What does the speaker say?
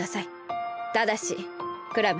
ただしクラム。